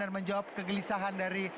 dan menjawab kegelisahan dari